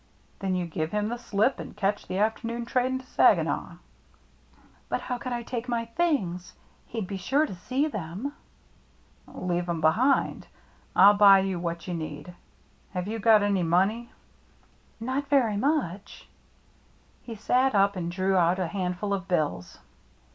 Then you give him the slip and catch the afternoon train to Saginaw." " But how could I take my things ? He'd be sure to see them." " Leave 'em behind. I'll buy you what you need. Have you got any money ?" "Not very much?" He sat up and drew out a handful of bills.